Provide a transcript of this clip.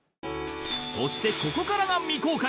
そしてここからが未公開！